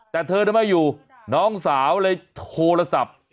แต่เธอไม่อยู่น้องสาวเลยโทรศัพท์